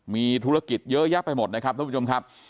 มีธุรกิจเยอะแยะไปหมดนะครับท่านผู้ชมครับ